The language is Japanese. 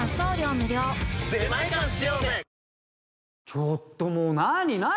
ちょっともう何何？